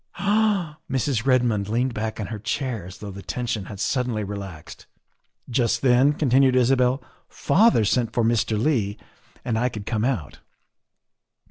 '' "Ah!" Mrs. Redmond leaned back in her chair as though the tension had suddenly relaxed. "Just then," continued Isabel, " father sent for Mr. Leigh and I could come out.